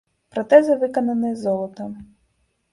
Пратэзы выкананыя з золата.